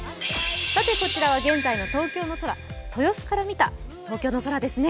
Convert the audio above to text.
こちらは現在の東京の空、豊洲から見た東京の空ですね。